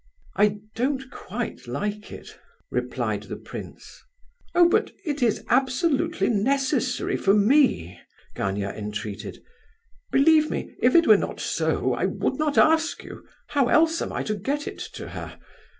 "I don't quite like it," replied the prince. "Oh, but it is absolutely necessary for me," Gania entreated. "Believe me, if it were not so, I would not ask you; how else am I to get it to her?